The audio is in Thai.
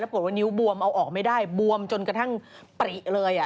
ปรากฏว่านิ้วบวมเอาออกไม่ได้บวมจนกระทั่งปริเลย